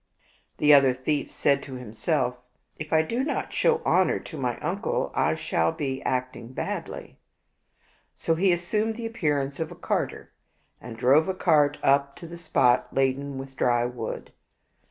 The other thief said to himself^ " If I do not show honor to my uncle, I shall be acting badly." So he assumed the appearance of a carter, and drove a cart up to the spot laden with dry wood.